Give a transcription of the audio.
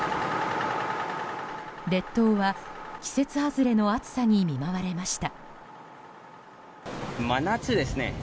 列島は、季節外れの暑さに見舞われました。